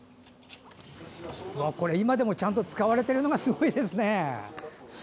今でもちゃんと使われているのがすごいですね。